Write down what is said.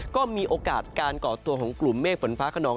ก็มีโอกาสการก่อตัวของกลุ่มเมฆฝนฟ้าขนอง